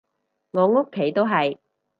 我屋企都係